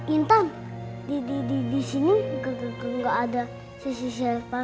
intan disini gak ada siapa siapa